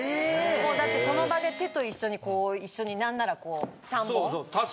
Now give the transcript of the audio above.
もうだってその場で手と一緒になんならこう。